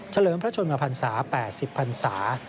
เลิมพระชนมพันศา๘๐พันศา